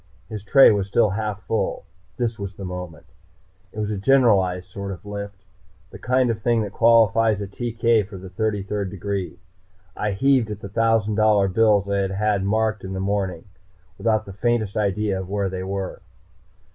His tray was still half full. This was the moment. It was a generalized sort of lift, the kind of thing that qualifies a TK for the Thirty third degree. I heaved at the thousand dollar bills I had had marked in the morning, without the faintest idea of where they were.